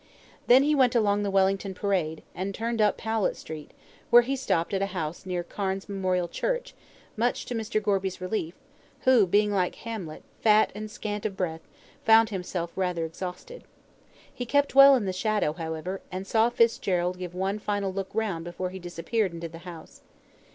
Then he went along the Wellington Parade, and turned up Powlett Street, where he stopped at a house near Cairns' Memorial Church, much to Mr. Gorby's relief, who, being like Hamlet, "fat and scant of breath," found himself rather exhausted. He kept well in the shadow, however, and saw Fitzgerald give one final look round before he disappeared into the house.